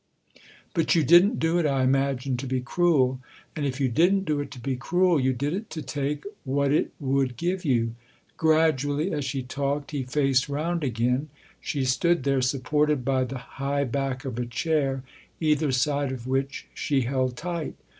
But you didn't do it, I imagine, to be cruel, and if you didn't do it to be cruel you did it to take what it would give you." Gradually, as she talked, he faced round again ; she stood there supported by the high back of a chair, either side of which she held tight.